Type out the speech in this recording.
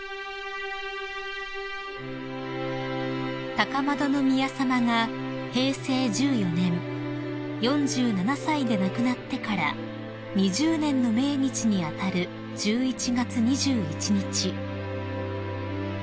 ［高円宮さまが平成１４年４７歳で亡くなってから２０年の命日に当たる１１月２１日］